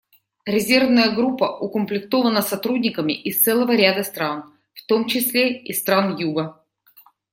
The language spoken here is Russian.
Резервная группа укомплектована сотрудниками из целого ряда стран, в том числе из стран Юга.